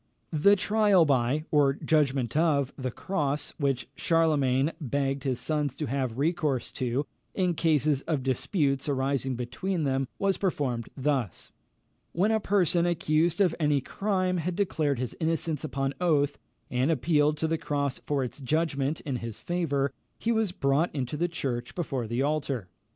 The trial by, or judgment of, the cross, which Charlemagne begged his sons to have recourse to, in case of disputes arising between them, was performed thus: When a person accused of any crime had declared his innocence upon oath, and appealed to the cross for its judgment in his favour, he was brought into the church, before the altar.